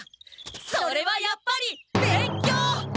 それはやっぱり勉強！